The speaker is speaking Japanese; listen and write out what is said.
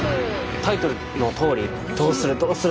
タイトルのとおりどうする？